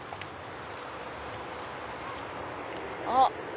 あっ。